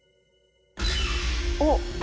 おっ。